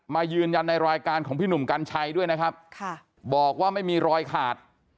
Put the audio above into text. มายืนยันในรายการของพี่หนุ่มกัญชัยด้วยนะครับค่ะบอกว่าไม่มีรอยขาด